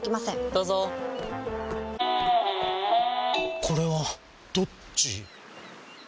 どうぞこれはどっち？